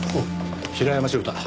平山翔太